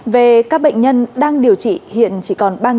về các bệnh nhân đang điều trị hiện chỉ còn ba bốn trăm một mươi ba ca nặng